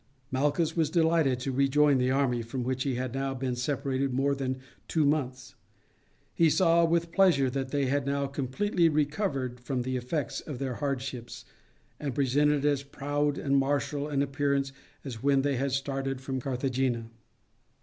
Malchus was delighted to rejoin the army, from which he had now been separated more than two months. He saw with pleasure that they had now completely recovered from the effects of their hardships, and presented as proud and martial an appearance as when they had started from Carthagena.